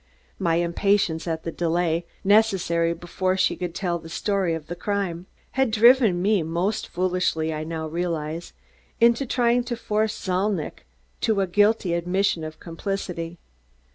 My impatience at the delay, necessary before she could tell the story of the crime, had driven me, most foolishly, I now realized, into trying to force Zalnitch to a guilty admission of complicity.